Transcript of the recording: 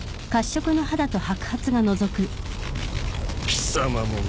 貴様もな。